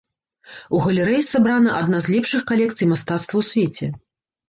У галерэі сабрана адна з лепшых калекцый мастацтва ў свеце.